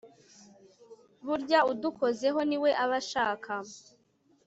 burya udukozeho ni we aba ashaka